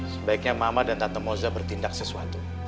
sebaiknya mama dan tante mozza bertindak sesuatu